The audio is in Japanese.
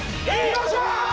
よっしゃ！